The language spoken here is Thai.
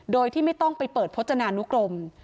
โดยที่ไม่ต้องไปเปิดพจนานุกรม